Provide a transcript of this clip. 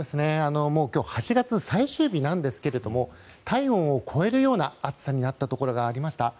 今日８月最終日なんですが体温を超えるような暑さになったところがありました。